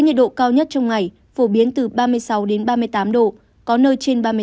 cao nhất trong ngày phổ biến từ ba mươi sáu đến ba mươi tám độ có nơi trên ba mươi tám độ